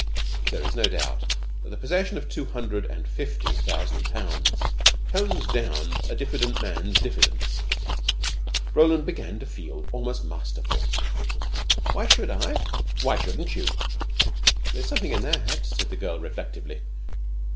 There is no doubt that the possession of two hundred and fifty thousand pounds tones down a diffident man's diffidence. Roland began to feel almost masterful. "Why should I?" "Why shouldn't you?" "There's something in that," said the girl reflectively.